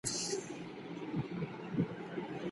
لاجورد تور رنګ نه لري.